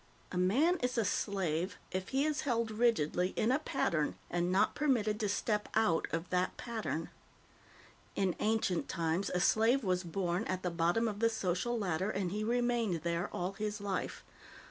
A man is a slave if he is held rigidly in a pattern and not permitted to step out of that pattern. In ancient times, a slave was born at the bottom of the social ladder, and he remained there all his life.